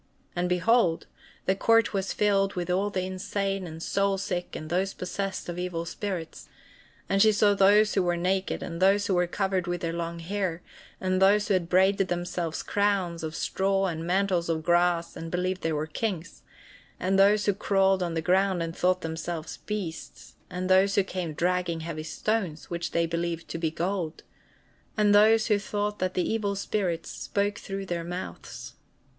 And behold! the court was filled with all the insane and soul sick and those possessed of evil spirits. And she saw those who were naked and those who were covered with their long hair, and those who had braided themselves crowns of straw and mantles of grass and believed they were kings, and those who crawled on the ground and thought themselves beasts, and those who came dragging heavy stones, which they believed to be gold, and those who thought that the evil spirits spoke through their mouths.